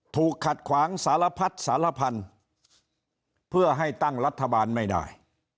ถูกขัดขวางสารพัดสารพันธุ์เพื่อให้ตั้งรัฐบาลไม่ได้